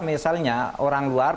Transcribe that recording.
misalnya orang luar